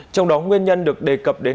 trong đó nguyên nhân được đề cập đến